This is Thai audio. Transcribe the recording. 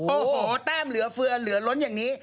โอ้โหแต้มเหลือเฟือเหลือล้นอย่างนี้